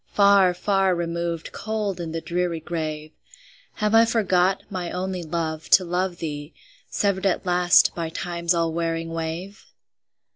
Far, far removed, cold in the dreary grave! Have I forgot, my only love, to love thee, Severed at last by Time's all wearing wave?